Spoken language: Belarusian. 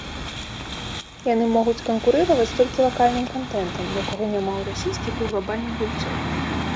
Яны могуць канкурыраваць толькі лакальным кантэнтам, якога няма ў расійскіх і глабальных гульцоў.